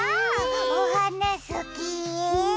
ぽおはなすき！